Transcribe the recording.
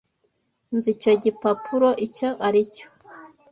Nzi icyo gipapuro icyo aricyo.